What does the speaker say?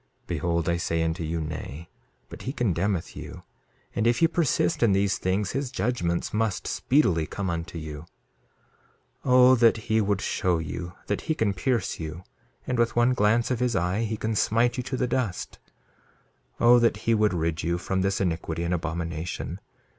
Behold, I say unto you, Nay. But he condemneth you, and if ye persist in these things his judgments must speedily come unto you. 2:15 O that he would show you that he can pierce you, and with one glance of his eye he can smite you to the dust! 2:16 O that he would rid you from this iniquity and abomination.